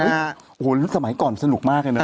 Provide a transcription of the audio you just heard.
แล้วสมัยก่อนสนุกมากเลยนะ